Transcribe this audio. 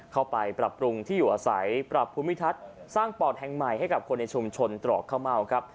ปรับปรุงที่อยู่อาศัยปรับภูมิทัศน์สร้างปอดแห่งใหม่ให้กับคนในชุมชนตรอกข้าวเม่าครับ